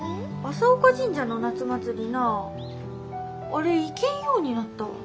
朝丘神社の夏祭りなああれ行けんようになったわ。